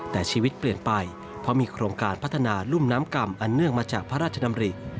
แต่ชีวิตเปลี่ยนไปเพราะมีโครงการพัฒนารุ่มน้ำกรรมอันเนื่องมาจากพระราชดำริ